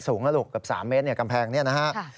สูงกับ๓เมตรกำแพงนี้นะครับ